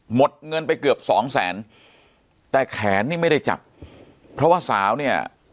หมดเงินไปเกือบสองแสนแต่แขนนี่ไม่ได้จับเพราะว่าสาวเนี่ย